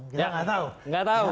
kita gak tau